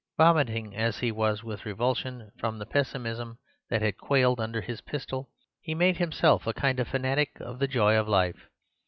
Vomiting as he was with revulsion, from the pessimism that had quailed under his pistol, he made himself a kind of fanatic of the joy of life.